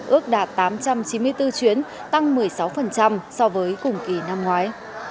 ước đạt tám trăm chín mươi bốn chuyến tăng một mươi sáu so với cùng kỳ năm ngoái